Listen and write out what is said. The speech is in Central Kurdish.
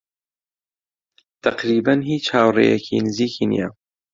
تەقریبەن هیچ هاوڕێیەکی نزیکی نییە.